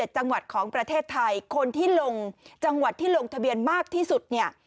๗จังหวัดของประเทศไทยคนที่ลงจังหวัดที่ลงทะเบียนมากที่สุดเนี่ย